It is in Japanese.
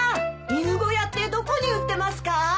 犬小屋ってどこに売ってますか？